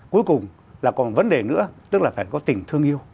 cuối cùng là còn vấn đề nữa tức là phải có tình thương yêu